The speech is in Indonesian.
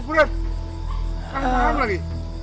kalian paham lagi